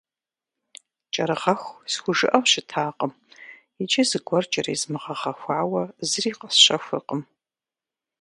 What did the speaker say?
«Кӏэрыгъэху» схужыӏэу щытакъым, иджы зыгуэр кӏэрезмыгъэгъэхуауэ зыри къэсщэхуркъым.